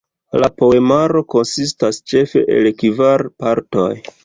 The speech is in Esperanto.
La poemaro konsistas ĉefe el kvar partoj.